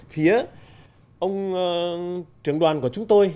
phía ông trưởng đoàn của chúng tôi